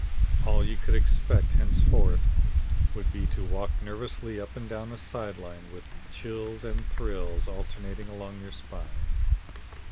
All you could expect henceforth would be to walk nervously up and down the side line with chills and thrills alternating along your spine.